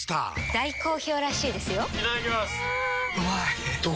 大好評らしいですよんうまい！